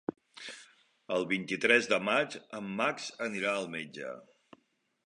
El vint-i-tres de maig en Max anirà al metge.